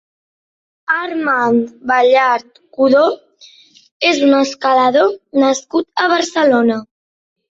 Armand Ballart Codó és un escalador nascut a Barcelona.